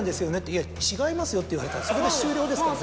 「いや違いますよ」と言われたらそこで終了ですからね。